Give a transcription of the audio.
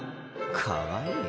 かわいい？